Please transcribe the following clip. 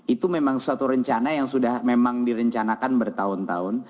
itu memang suatu rencana yang sudah memang direncanakan bertahun tahun